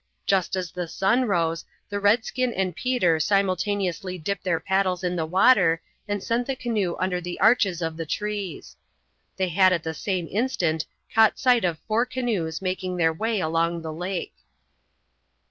Just as the sun rose the redskin and Peter simultaneously dipped their paddles in the water and sent the canoe under the arches of the trees. They had at the same instant caught sight of four canoes making their way along the lake.